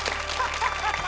ハハハハ！